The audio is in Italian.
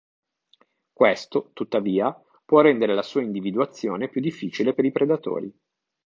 Questo, tuttavia, può rendere la sua individuazione più difficile per i predatori.